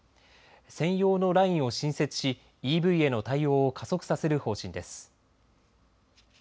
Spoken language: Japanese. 専用のラインを新設しＥＶへの対応を加速させる方針です。